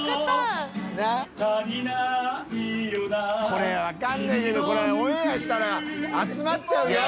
これ分かんないけどこれオンエアしたら集まっちゃうよ？）